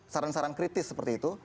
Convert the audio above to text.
saran saran kritis seperti itu